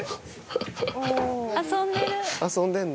遊んでる！